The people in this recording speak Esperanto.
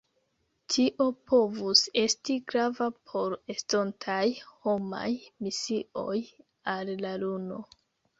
Tio povus esti grava por estontaj homaj misioj al la luno.